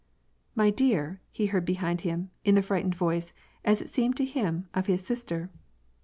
" My dear," he heard behind him, in the frightened voice, as it seemed to him, of his sister.